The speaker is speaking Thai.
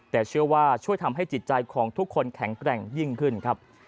แต่เชื่อว่าช่วยทำให้จิตใจของทุกคนแข็งแกร่งยิ่งขึ้นครับ